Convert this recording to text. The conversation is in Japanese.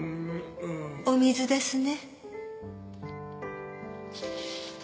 お水ですね？